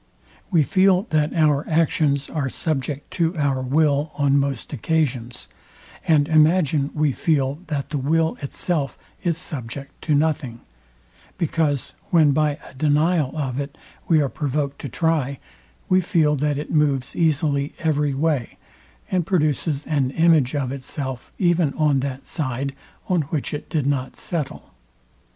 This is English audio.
We feel that our actions are subject to our will on most occasions, and imagine we feel that the will itself is subject to nothing; because when by a denial of it we are provoked to try, we feel that it moves easily every way, and produces an image of itself even on that side, on which it did not settle.